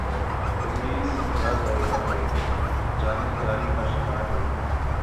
تو یہی سمجھا جائے گا کہ جانب داری کا شکار ہوا ہے۔